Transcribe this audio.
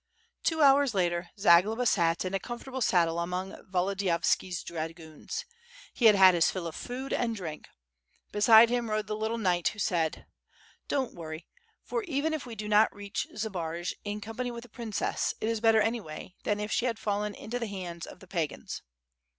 Two hours later Zagloba sat in a comfortable saddle among Volodiyovski's dragoons. He had had his fill of food and drink. Beside him rode the little knight, who said: "Don't worry; for even if we do not reach Zabaraj in com pany with the princess, it is better anyway, than if she had fallen into the hands of the pagans."